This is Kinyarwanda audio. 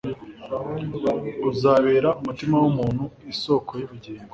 uzabera umutima w'umuntu isoko y'ubugingo.